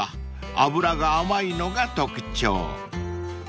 ［脂が甘いのが特徴］